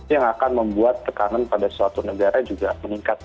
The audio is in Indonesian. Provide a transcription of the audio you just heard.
yang akan membuat tekanan pada suatu negara juga meningkat